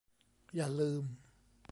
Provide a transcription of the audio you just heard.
อย่าลืม !